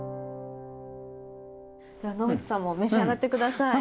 では野口さんも召し上がって下さい。